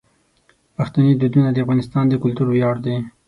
پښتني دودونه د افغانستان د کلتور ویاړ دي.